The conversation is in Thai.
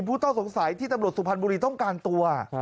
ผู้ต้องสงสัยที่ตำรวจสุพรรณบุรีต้องการตัว